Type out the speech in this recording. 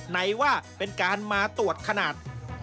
ไหนว่าเป็นการมาตรวจขนาด